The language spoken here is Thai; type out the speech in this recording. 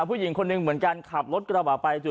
ผู้หญิงคนหนึ่งเหมือนกันขับรถกระบะไปจู